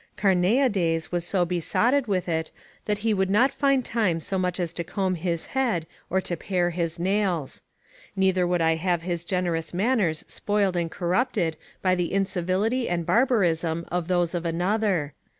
Carneades was so besotted with it, that he would not find time so much as to comb his head or to pare his nails. Neither would I have his generous manners spoiled and corrupted by the incivility and barbarism of those of another.